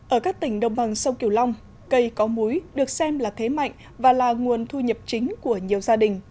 ở các tỉnh đồng bằng sông kiều long cây có múi được xem là thế mạnh và là nguồn thu nhập chính của nhiều gia đình